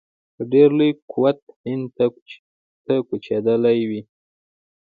په ډېر لوی قوت هند ته کوچېدلي وي.